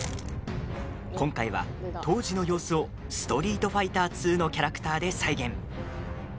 今回は、当時の様子を「ストリートファイターＩＩ」のキャラクターで再現。